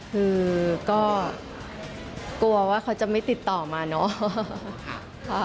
คือก็กลัวว่าเขาจะไม่ติดต่อมาเนอะ